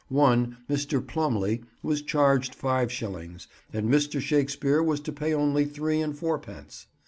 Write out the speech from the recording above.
One, Mr. Plumley, was charged five shillings, and Mr. Shakespeare was to pay only three and fourpence.